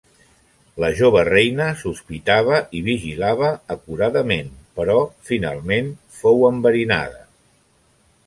La jove reina sospitava i vigilava acuradament però finalment fou enverinada.